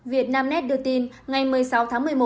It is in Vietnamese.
việt nam nét đưa tin ngày một mươi sáu tháng một mươi một